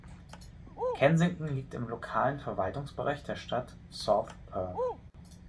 Kensington liegt im lokalen Verwaltungsbereich der Stadt South Perth.